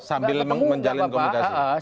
sambil menjalin komunikasi